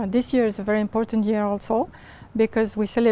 để nói rằng lịch sử